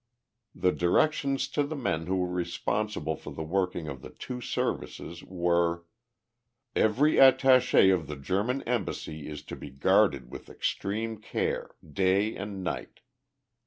The directions to the men who were responsible for the working of the two Services were: Every attaché of the German embassy is to be guarded with extreme care, day and night.